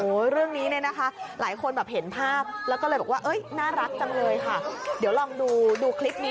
เรื่องนี้เนี่ยนะคะหลายคนแบบเห็นภาพแล้วก็เลยบอกว่าเอ้ยน่ารักจังเลยค่ะเดี๋ยวลองดูดูคลิปนี้